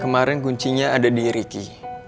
kemarin kuncinya ada di ricky